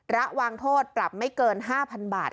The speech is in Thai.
ระวังโทษปรับไม่เกิน๕๐๐๐บาท